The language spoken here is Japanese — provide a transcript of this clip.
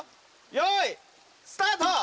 よいスタート！